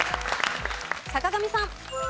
坂上さん。